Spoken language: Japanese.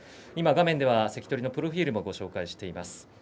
画面では関取のプロフィールも紹介しています。